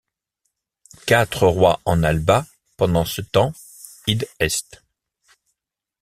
Quatre rois en Alba pendant ce temps i.e.